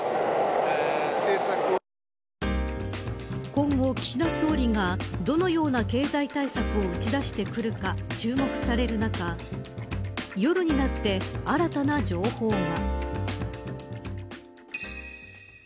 今後、岸田総理がどのような経済対策を打ち出してくるか注目される中夜になって新たな情報が。